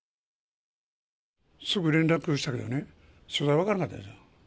すぐ連絡したけどね、所在が分からなかったです。